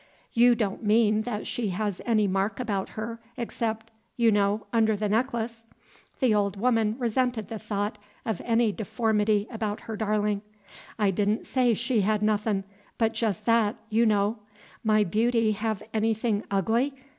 "You don't mean that she has any mark about her, except you know under the necklace?" The old woman resented the thought of any deformity about her darling. "I did n' say she had nothin' but jes' that you know. My beauty have anything ugly?